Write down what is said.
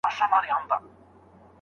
څوک په سره اهاړ کي تندي وه وژلي